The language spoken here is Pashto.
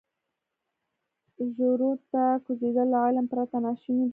ژورو ته کوزېدل له علم پرته ناشونی دی.